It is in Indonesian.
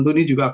terima kasih pak